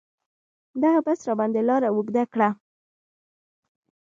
دغه بس راباندې لاره اوږده کړه.